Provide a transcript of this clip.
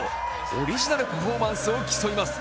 オリジナルパフォーマンスを競います。